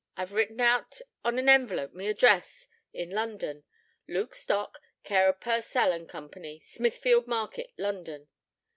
I've written out on an envelope my address in London. Luke Stock, care o' Purcell and Co., Smithfield Market, London.'